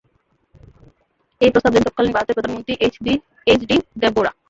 ওই প্রস্তাব দেন তৎকালীন ভারতের প্রধানমন্ত্রী এইচ ডি দেবগৌড়া।